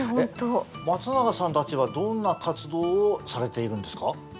松永さんたちはどんな活動をされているんですか？